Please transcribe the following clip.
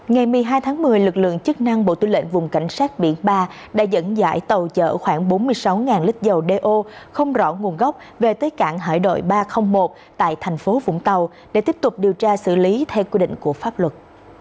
ngày một mươi hai tháng một mươi lực lượng chức năng bộ tư lệnh vùng cảnh sát biển ba đã dẫn dãi tàu chở khoảng bốn mươi sáu lít dầu do không rõ nguồn gốc về tới cảng hải đội ba trăm linh một tại thành phố vũng tàu để tiếp tục điều tra xử lý theo quy định của pháp luật